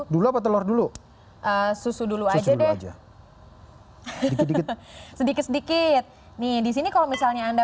dulu apa telur dulu susu dulu aja deh sedikit sedikit nih disini kalau misalnya anda